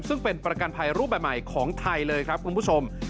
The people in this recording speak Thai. ซึ่งเป็นประกันภัยรูปแบบใหม่ของไทยเลยครับคุณผู้ชม